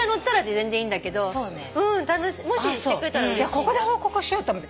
ここで報告しようと思って。